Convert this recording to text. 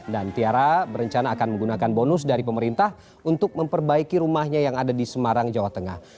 dan tiara berencana akan menggunakan bonus dari pemerintah untuk memperbaiki rumahnya yang ada di semarang jawa tengah